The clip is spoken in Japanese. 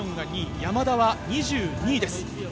山田は２２位です。